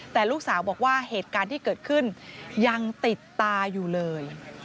แต่ลูกสาวบอกว่าเหตุการณ์ที่เกิดขึ้นยังติดตาอยู่เลย